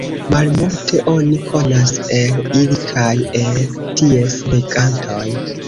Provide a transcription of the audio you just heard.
Malmulte oni konas el ili kaj el ties regantoj.